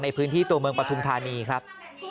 ในพื้นที่ตัวเมืองปฐุมธานีครับ